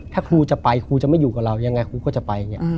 ถ้าครูจะไปครูจะไม่อยู่กับเรายังไงครูก็จะไปอย่างนี้